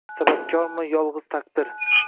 Sababkormi yolriz taqdir